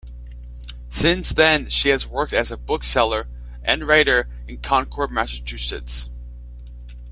Since then she has worked as a bookseller and writer in Concord, Massachusetts.